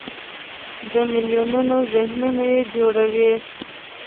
د میلیونونو ذهنونه یې جوړوي.